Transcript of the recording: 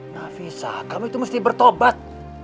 nafisa kamu itu mesti bertobat